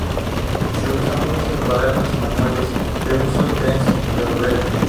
Se usa mucho en cuadernos y manuales de uso intenso pero breve.